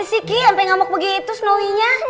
pasti selalu sepat ini terbaik pak